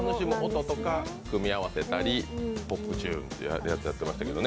音とか組み合わせたりホップチューブやってましたけど。